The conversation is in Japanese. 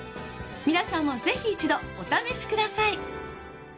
皆さんも是非一度お試し下さい！